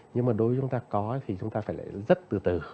nhưng mà đối với chúng ta có thì chúng ta phải lại rất từ từ